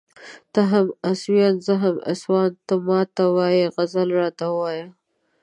ته هم اسيوان زه هم اسيوان ته ما ته وايې غزل راته ووايه